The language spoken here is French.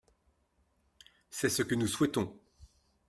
C’est ce que nous souhaitons.